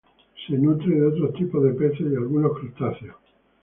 Se nutre de otros tipos de peces y algunos crustáceos.